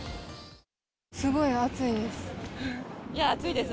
すごい暑いです。